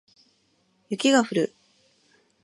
雪が降る